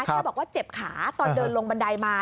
แค่บอกว่าเจ็บขาตอนเดินลงบันไดมา